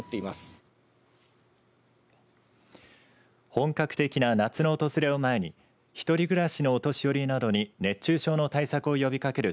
本格的な夏の訪れを前に一人暮らしのお年寄りなどに熱中症の対策を呼びかける